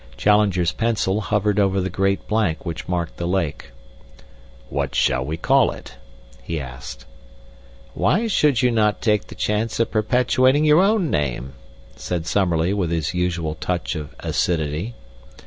Challenger's pencil hovered over the great blank which marked the lake. "What shall we call it?" he asked. "Why should you not take the chance of perpetuating your own name?" said Summerlee, with his usual touch of acidity.